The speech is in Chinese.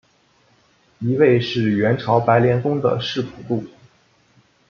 一位是元朝白莲宗的释普度。